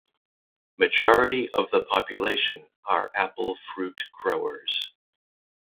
Majority of the population are apple fruit growers.